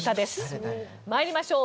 参りましょう。